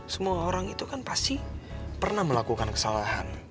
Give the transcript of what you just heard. semua orang itu kan pasti pernah melakukan kesalahan